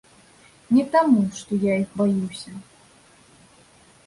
Не таму, што я іх баюся.